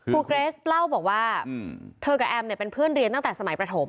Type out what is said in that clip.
เกรสเล่าบอกว่าเธอกับแอมเนี่ยเป็นเพื่อนเรียนตั้งแต่สมัยประถม